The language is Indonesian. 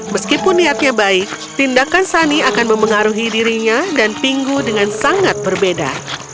meskipun niatnya baik tindakan sani akan memengaruhi dirinya dan pinggu dengan sangat berbeda